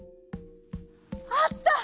「あった！